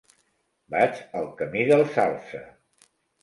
Vaig al camí del Salze.